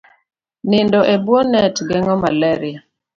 Nindo e bwo net geng'o malaria